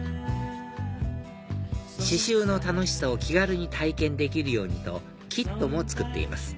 刺繍の楽しさを気軽に体験できるようにとキットも作っています